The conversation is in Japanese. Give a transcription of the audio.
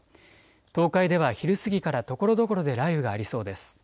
東海では昼過ぎからところどころで雷雨がありそうです。